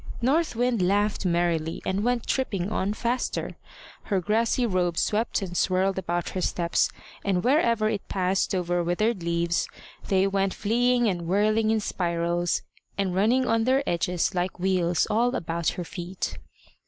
North Wind laughed merrily, and went tripping on faster. Her grassy robe swept and swirled about her steps, and wherever it passed over withered leaves, they went fleeing and whirling in spirals, and running on their edges like wheels, all about her feet.